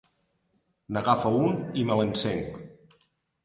N'agafo un i me l'encenc.